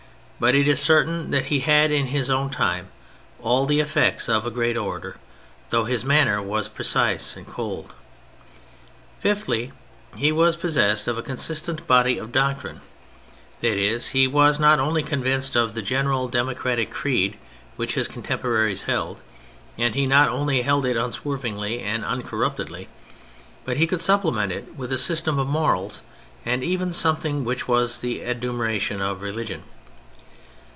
But it is certain that he had in his own time all the effects of a great orator, though his manner was precise and cold. Fifthly, he was possessed of a consistent body of doctrine : that is, he was not only convinced of the general democratic creed which his contemporaries held, and he not only held it unswervingly and uncorruptedly, but he could supplement it with a system of morals and even something which was the adumbration of religion.